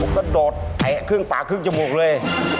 ผมก็โดดไอ้ครึ่งปลาครึ่งจมูกเลย